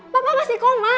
papa masih koma